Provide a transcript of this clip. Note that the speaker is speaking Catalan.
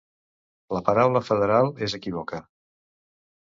La paraula ‘federal’ és equívoca.